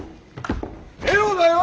エロだよ！